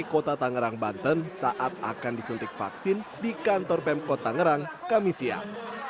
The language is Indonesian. kota tangerang banten saat akan disuntik vaksin di kantor pemkot tangerang kami siang